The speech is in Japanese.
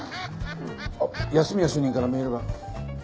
あっ安洛主任からメールが。